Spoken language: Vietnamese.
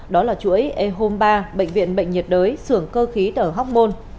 đó là chuỗi e home ba bệnh viện bệnh nhiệt đới sưởng cơ khí tờ hocmon